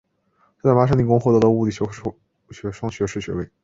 他在麻省理工学院获得了物理学和数学双学士学位。